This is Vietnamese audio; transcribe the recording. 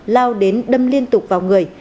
lao đến đâm liên tục vào người